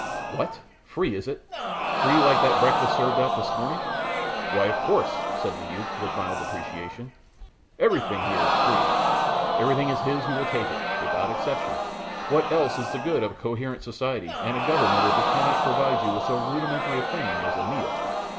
"What! free is it free like the breakfast served out this morning?" "Why, of course," said the youth, with mild depreciation; "everything here is free. Everything is his who will take it, without exception. What else is the good of a coherent society and a Government if it cannot provide you with so rudimentary a thing as a meal?"